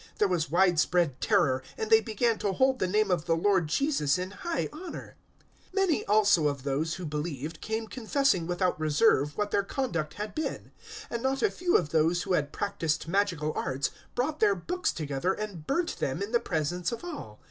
There was widespread terror, and they began to hold the name of the Lord Jesus in high honour. 019:018 Many also of those who believed came confessing without reserve what their conduct had been, 019:019 and not a few of those who had practised magical arts brought their books together and burnt them in the presence of all.